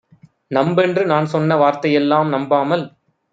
நம்பென்று நான்சொன்ன வார்த்தையெல்லாம் நம்பாமல்